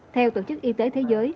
theo tổ chức y tế thế giới